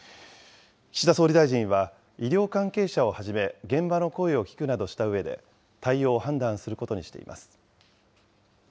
岸田総理大臣は、医療関係者をはじめ、現場の声を聞くなどしたうえで、対応を判断することにしています。